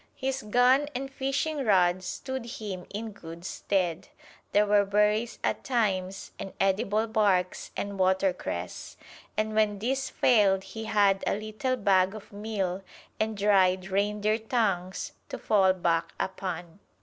His gun and fishing rod stood him in good stead; there were berries at times, and edible barks and watercress, and when these failed he had a little bag of meal and dried reindeer tongues to fall back upon.